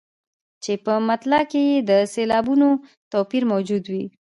چې په مطلع کې یې د سېلابونو توپیر موجود وي.